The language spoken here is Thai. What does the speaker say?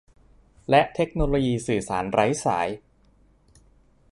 และเทคโนโลยีสื่อสารไร้สาย